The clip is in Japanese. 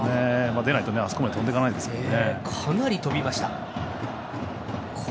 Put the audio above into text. でないと、あそこまで飛んでいかないですからね。